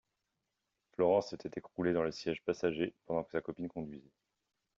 Florence s’était écroulée dans le siège passager pendant que sa copine conduisait.